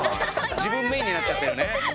自分メインになっちゃってるね。